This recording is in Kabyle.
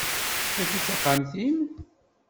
Tagi d taxxamt-im?